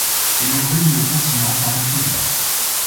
Elle est reliée au continent par un ferry.